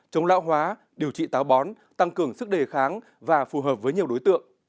chống lão hóa điều trị táo bón tăng cường sức đề kháng và phù hợp với nhiều đối tượng